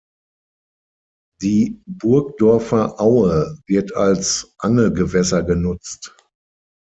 Die Burgdorfer Aue wird als Angelgewässer genutzt.